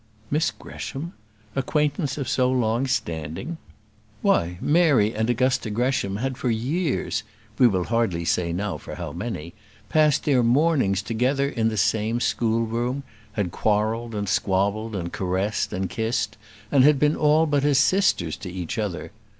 Miss Gresham! Acquaintance of so long standing! Why, Mary and Augusta Gresham had for years, we will hardly say now for how many, passed their mornings together in the same schoolroom; had quarrelled, and squabbled, and caressed and kissed, and been all but as sisters to each other.